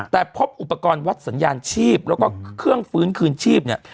แต่พบอุปกรณ์วัดสัญญาณชีพแล้วก็เครื่องฟื้นคืนชีพเนี่ย